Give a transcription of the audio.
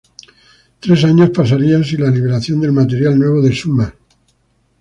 Tres años pasarían sin la liberación de material nuevo de Summer.